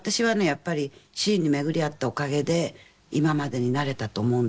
やっぱり主人に巡り合ったおかげで今までになれたと思うんです。